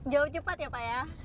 jauh cepat ya pak ya